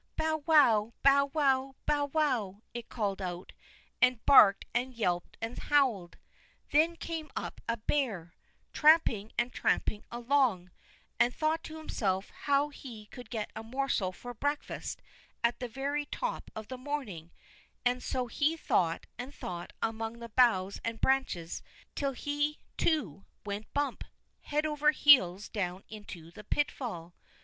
"Bow wow, bow wow, bow wow," it called out, and barked and yelped and howled. Then up came a bear, tramping and tramping along, and thought to himself how he could get a morsel for breakfast at the very top of the morning, and so he thought and thought among the boughs and branches till he too went bump—head over heels down into the pitfall.